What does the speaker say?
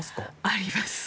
あります。